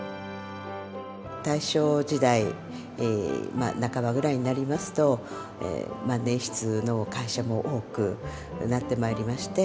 大正時代まあ半ばぐらいになりますと万年筆の会社も多くなってまいりまして